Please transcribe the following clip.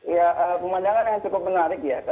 ya pemandangan yang cukup menarik ya